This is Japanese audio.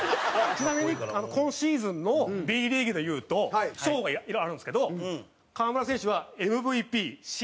ちなみに今シーズンのＢリーグでいうと賞がいろいろあるんですけど河村選手はＭＶＰ新人賞ベスト